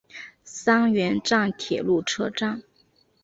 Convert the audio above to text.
三原站铁路车站。